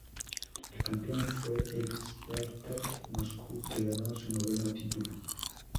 El campeón fue el Spartak Moscú, que ganó su noveno título.